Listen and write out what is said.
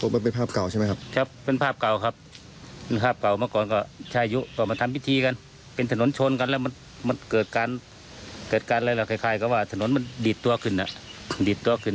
แบบว่าเป็นภาพเก่าใช่ไหมครับพวกมันเป็นภาพเก่าครับ